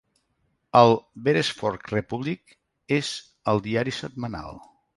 El "Beresford Republic" és el diari setmanal.